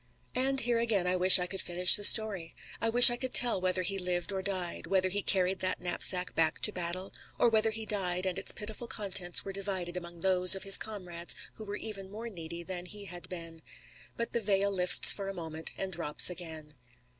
And here again I wish I could finish the story. I wish I could tell whether he lived or died whether he carried that knapsack back to battle, or whether he died and its pitiful contents were divided among those of his comrades who were even more needy than he had been. But the veil lifts for a moment and drops again.